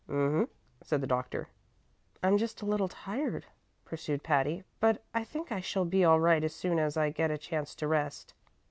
"Um m," said the doctor. "I'm just a little tired," pursued Patty, "but I think I shall be all right as soon as I get a chance to rest.